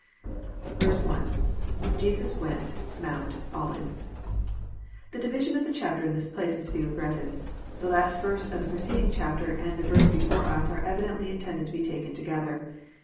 1. — [Jesus went... m<nint...Oliveit.'] The division of the chapter in this place is to be regretted. The last verse of the preceding chapter and the verse before us are evidently intended to be taken together.